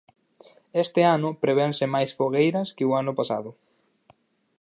Este ano prevense máis fogueiras que o ano pasado.